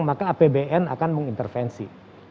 maka apbn akan mengintervensi